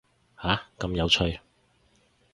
下，咁有趣